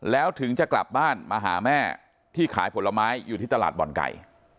แล้วถึงจะกลับบ้านมาหาแม่ที่ขายผลไม้อยู่ที่ตลาดบ่อนไก่